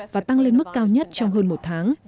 và tăng lên mức cao nhất trong hơn một tháng